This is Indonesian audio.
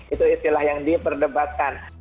itu istilah yang diperdebatkan